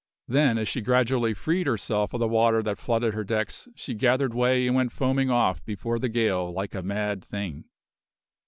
Then, as she gradually freed herself of the water that flooded her decks, she gathered way and went foaming off before the gale like a mad thing.